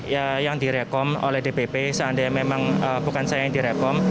ya yang direkom oleh dpp seandainya memang bukan saya yang direkom